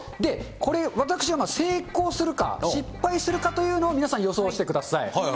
これ、私は成功するか、失敗するかというのを皆さん、予想してください。